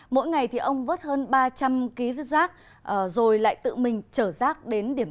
mỗi ngày thì ông vớt hơn ba trăm linh kg rác rồi lại tự mình chở rác đến điểm